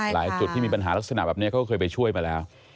จุดที่มีปัญหาลักษณะแบบนี้เขาเคยไปช่วยมาแล้ว